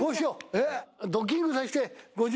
えっ？